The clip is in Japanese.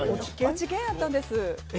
落研やったんです。